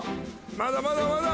まだまだまだ！